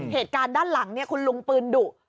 เหตุการณ์ด้านหลังคุณลุงปืนดุ